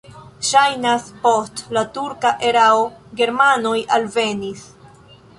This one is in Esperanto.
Ŝajnas, post la turka erao germanoj alvenis.